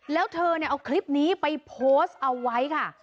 แล้วเธอเนี่ยเอาคลิปนี้ไปโพสต์เอาไว้ค่ะ